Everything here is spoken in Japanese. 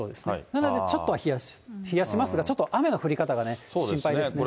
なので、ちょっとは冷やしますが、ちょっと雨の降り方がね、心配ですね。